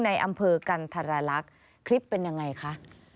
ในอำเภอกันธรรลักษณ์คลิปเป็นยังไงคะ